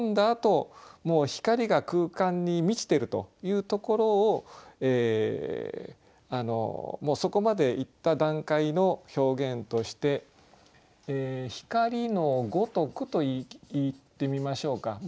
あともう光が空間に満ちてるというところをそこまでいった段階の表現として「ひかりの如く」と言ってみましょうか。